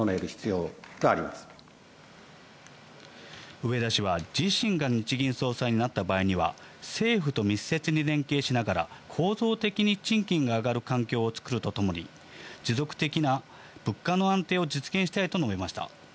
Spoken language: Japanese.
植田氏は、自身が日銀総裁になった場合には、政府と密接に連携しながら構造的に賃金が上がる環境を作るとともに持続的な物価の安定を実現したいと述べました。